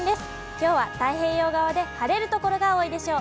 きょうは太平洋側で晴れる所が多いでしょう。